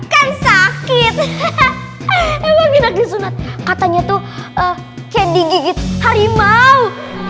kan sakit hahaha emang enak disunat katanya tuh kayak digigit harimau